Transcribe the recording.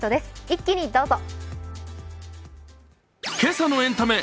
一気にどうぞ！